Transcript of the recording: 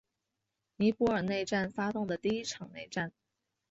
尼泊尔内战发动的一场内战。